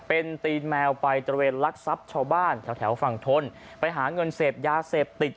เป็นตีนแมวไปตระเวนลักทรัพย์ชาวบ้านแถวแถวฝั่งทนไปหาเงินเสพยาเสพติด